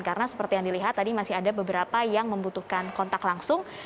karena seperti yang dilihat tadi masih ada beberapa yang membutuhkan kontak langsung